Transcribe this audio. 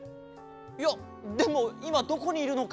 いやでもいまどこにいるのか。